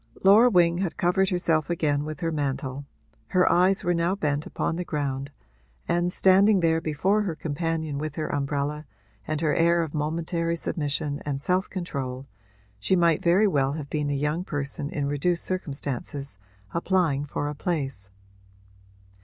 Laura Wing had covered herself again with her mantle; her eyes were now bent upon the ground and, standing there before her companion with her umbrella and her air of momentary submission and self control, she might very well have been a young person in reduced circumstances applying for a place.